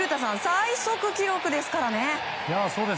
最速記録ですからね。